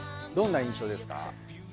どんな印象ですか？